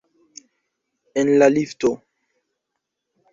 En la lifto.